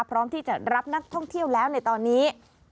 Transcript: พร้อมที่จะรับนักท่องเที่ยวแล้วในตอนนี้